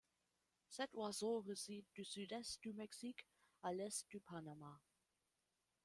Cet oiseau réside du sud-est du Mexique à l'est du Panama.